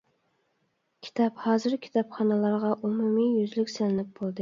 كىتاب ھازىر كىتابخانىلارغا ئومۇمىي يۈزلۈك سېلىنىپ بولدى.